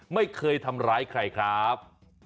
ไม่เคยทำร้ายใครครับ